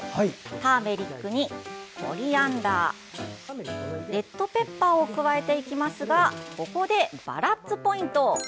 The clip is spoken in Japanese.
ターメリックに、コリアンダーレッドペッパーを加えていきますがここで、バラッツポイント。